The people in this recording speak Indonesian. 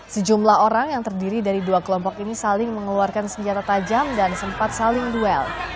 sejumlah orang yang terdiri dari dua kelompok ini saling mengeluarkan senjata tajam dan sempat saling duel